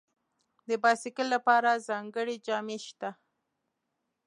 د بایسکل لپاره ځانګړي جامې شته.